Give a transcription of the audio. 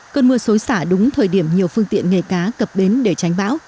cơn mưa xối xả đúng thời điểm nhiều phương tiện nghề cá cập bến để tránh bão